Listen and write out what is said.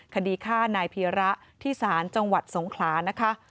คดีฆ่านายพีระที่ศาลจังหวัดสงขลานะคะ